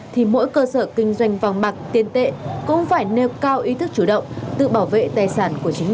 thì mỗi cơ sở kinh doanh vàng bạc tiền tệ cũng phải nêu cao ý thức chủ động tự bảo vệ tài sản của chính mình